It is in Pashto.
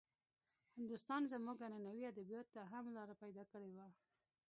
هندوستان زموږ عنعنوي ادبياتو ته هم لاره پيدا کړې وه.